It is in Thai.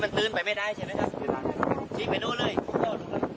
เมื่อเวลาอันดับสุดท้ายมันกลายเป็นอันดับสุดท้ายที่สุดท้ายที่สุดท้าย